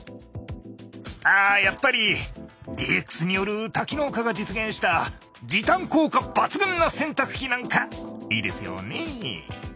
やっぱりＤＸによる多機能化が実現した時短効果抜群な洗濯機なんかいいですよねえ。